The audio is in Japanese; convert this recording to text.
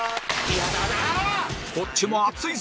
こっちも熱いぞ！